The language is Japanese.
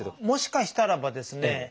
もしかしたらばですね